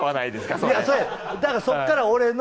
だからそこから俺の。